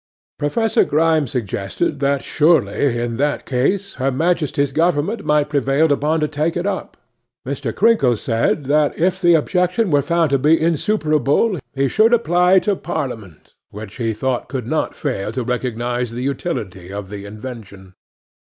'PROFESSOR GRIME suggested, that surely, in that case, Her Majesty's Government might be prevailed upon to take it up. 'MR. CRINKLES said, that if the objection were found to be insuperable he should apply to Parliament, which he thought could not fail to recognise the utility of the invention.